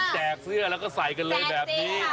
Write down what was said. แจกเสื้อแส่กันเลยแบบนี้